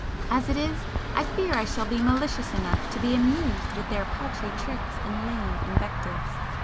As it is, I fear I shall be malicious enough to be amused with their paltry tricks and lame invectives.